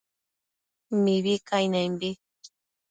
mibi cainenbi